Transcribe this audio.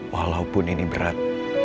walaupun ini berat